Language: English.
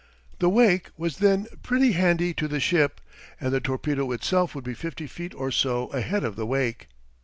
The wake was then pretty handy to the ship, and the torpedo itself would be fifty feet or so ahead of the wake.